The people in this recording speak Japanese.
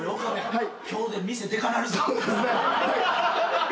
はい。